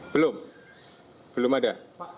belum belum ada